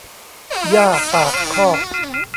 หญ้าปากคอก